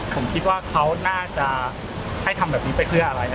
ผมคิดว่าเขาน่าจะให้ทำแบบนี้ไปเพื่ออะไร